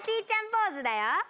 ちゃんポーズだよ。